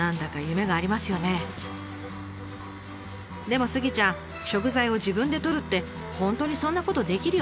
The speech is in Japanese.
でもスギちゃん食材を自分でとるって本当にそんなことできるようになるの？